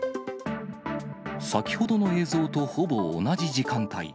先ほどの映像とほぼ同じ時間帯。